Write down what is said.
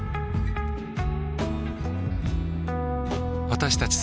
私たち